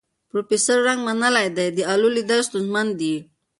پروفیسور نګ منلې ده، د اولو لیدل ستونزمن دي.